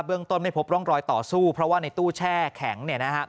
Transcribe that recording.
เรื่องต้นไม่พบร่องรอยต่อสู้เพราะว่าในตู้แช่แข็งเนี่ยนะครับ